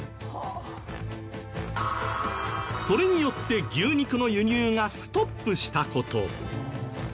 それによって牛肉の輸入がストップした事。